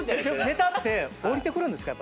ネタって降りてくるんですか？